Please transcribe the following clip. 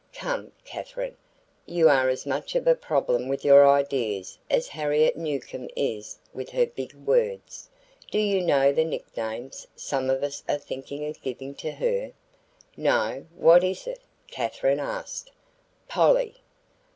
"Come, Katherine, you are as much of a problem with your ideas as Harriet Newcomb is with her big words. Do you know the nicknames some of us are thinking of giving to her?" "No, what is it?" Katherine asked. "Polly."